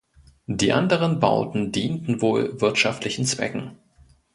Die anderen Bauten dienten wohl wirtschaftlichen Zwecken.